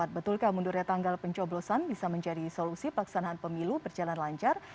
betulkah mundurnya tanggal pencoblosan bisa menjadi solusi pelaksanaan pemilu berjalan lancar